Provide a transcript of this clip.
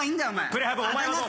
プレハブお前はどう思う？